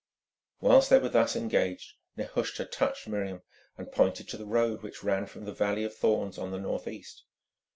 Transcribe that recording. Whilst they were thus engaged, Nehushta touched Miriam and pointed to the road which ran from the Valley of Thorns on the northeast.